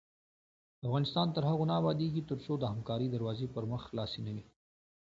افغانستان تر هغو نه ابادیږي، ترڅو د همکارۍ دروازې پر مخ خلاصې نه وي.